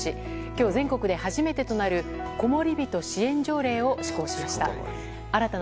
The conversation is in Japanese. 今日、全国で初めてとなるこもりびと支援条例を施行しました。